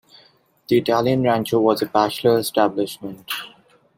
The Italian rancho was a bachelor establishment.